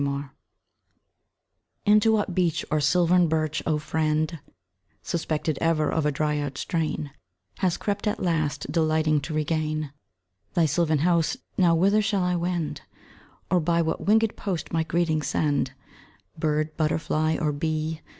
THOMAS) Into what beech or silvern birch, O friend Suspected ever of a dryad strain, Hast crept at last, delighting to regain Thy sylvan house? Now whither shall I wend, Or by what wingèd post my greeting send, Bird, butterfly, or bee?